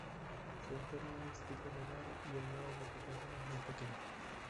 Su entorno es de tipo rural y el grado de ocupación es muy pequeño.